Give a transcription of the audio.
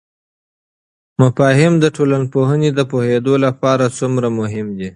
مفاهیم د ټولنپوهنې د پوهیدو لپاره څومره مهم دي؟